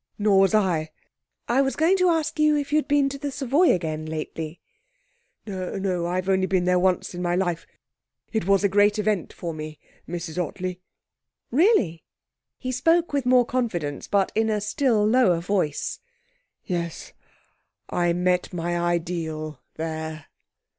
'Nor was I.' 'I was going to ask you if you'd been to the Savoy again lately?' 'No; I've only been there once in my life. It was a great event for me, Mrs Ottley.' 'Really?' He spoke with more confidence, but in a still lower voice. 'Yes. I met my ideal there.'